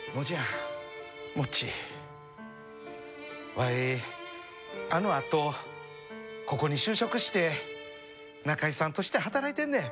わいあのあとここに就職して仲居さんとして働いてんねん。